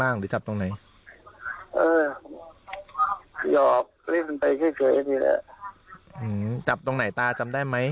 ล่างหรือจับตรงไหนสิ่งนี้ให้ดีแล้วจำตรงเนี่ยตายจำได้